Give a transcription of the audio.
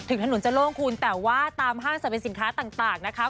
ถนนจะโล่งคุณแต่ว่าตามห้างสรรพสินค้าต่างนะคะ